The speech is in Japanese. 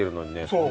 そう。